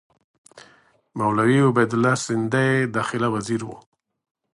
مولوي عبیدالله سندي داخله وزیر وو.